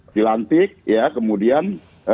silantik ya kemudian